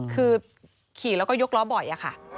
คือขี่แล้วก็ยกล้อบ่อยอะค่ะ